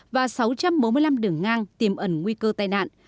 và sáu trăm bốn mươi năm đường ngang tiềm ẩn nguy cơ tai nạn